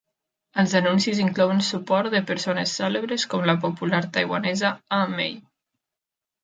Els anuncis inclouen suport de persones cèlebres com la popular taiwanesa A-Mei.